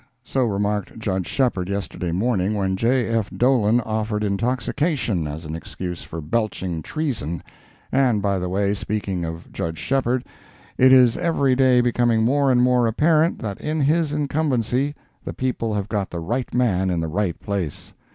So remarked Judge Shepheard yesterday morning, when J. F. Dolan offered intoxication as an excuse for belching treason—and by the way, speaking of Judge Shepheard, it is every day becoming more and more apparent that in his incumbency, the people have got the right man in the right place.